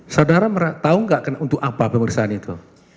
saudara tau gak untuk apa pemeriksaan itu